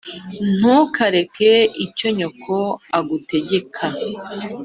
Img ntukareke icyo nyoko agutegeka